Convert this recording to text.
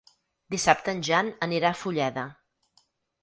Dissabte en Jan anirà a Fulleda.